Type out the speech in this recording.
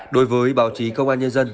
đối với báo chí công an nhân dân